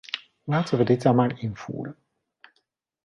Laten we dit dan maar invoeren.